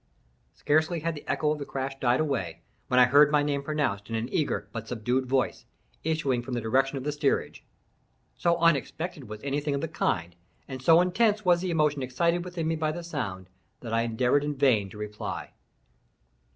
Scarcely had the echo of the crash died away, when I heard my name pronounced in an eager but subdued voice, issuing from the direction of the steerage. So unexpected was anything of the kind, and so intense was the emotion excited within me by the sound, that I endeavoured in vain to reply.